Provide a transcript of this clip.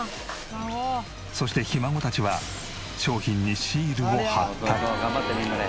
そしてひ孫たちは商品にシールを貼ったり。